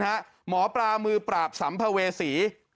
หมอปลามือปราบสัมภเวษี